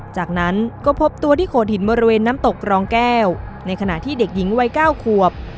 จากนั้นก็พบตัวที่โขดหินบริเวณน้ำตกรองแก้วในขณะที่เด็กหญิงวัย๙ขวบ